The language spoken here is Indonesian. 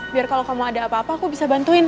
biar kalau kamu ada apa apa aku bisa bantuin